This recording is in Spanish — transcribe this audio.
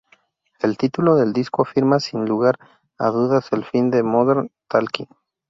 El título del disco afirma sin lugar a dudas el fin de Modern Talking.